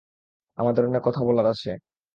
আমাদের অনেক কথা বলার আছে।